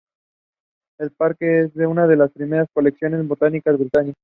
El parque es una de las primeras colecciones botánicas de Bretaña.